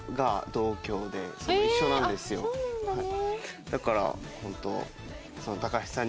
そうなんだね。